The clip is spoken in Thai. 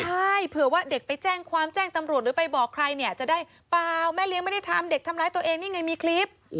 ใช่เผื่อว่าเด็กไปแจ้งความแจ้งตำรวจหรือไปบอกใครเนี่ยจะได้เปล่าแม่เลี้ยงไม่ได้ทำเด็กทำร้ายตัวเองนี่ไงมีคลิป